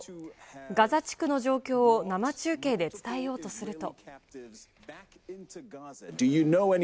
ガザ地区の状況を生中継で伝えようとすると。